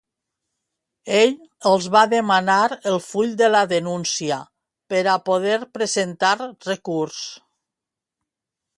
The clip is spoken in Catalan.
Ell els va demanar el full de la denúncia per a poder presentar recurs.